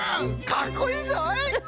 かっこいいぞい！